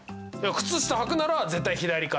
靴下はくなら絶対左から。